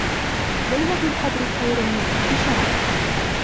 لَيْلَةُ الْقَدْرِ خَيْرٌ مِنْ أَلْفِ شَهْرٍ